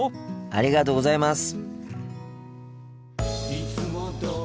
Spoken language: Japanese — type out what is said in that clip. ありがとうございます！